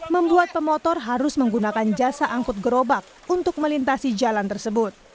membuat pemotor harus menggunakan jasa angkut gerobak untuk melintasi jalan tersebut